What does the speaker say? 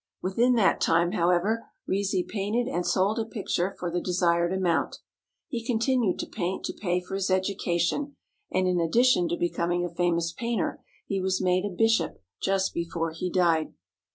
Within that time, however, Rizi painted and sold a picture for the desired amount. He continued to paint to pay for his education, and in addition to becoming a famous painter he was made a bishop just before he died.